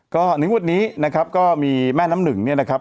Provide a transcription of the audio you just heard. ก็ในงวดนี้นะครับก็มีแม่น้ำหนึ่งเนี่ยนะครับ